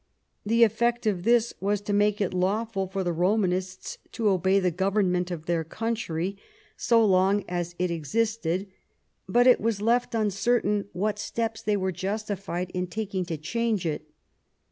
The effect of this was to make it lawful for the Romanists to obey the government of their country, so long as it existed; but it was left uncertain what steps they were justified in taking to change it.